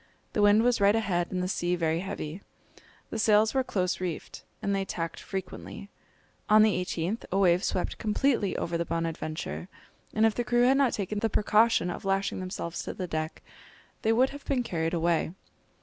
The wind was right ahead and the sea very heavy. The sails were close reefed, and they tacked frequently. On the 18th, a wave swept completely over the Bonadventure; and if the crew had not taken the precaution of lashing themselves to the deck, they would have been carried away.